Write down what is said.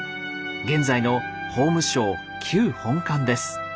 現在の法務省旧本館です。